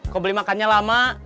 kok beli makannya lama